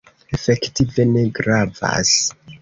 Efektive ne gravas.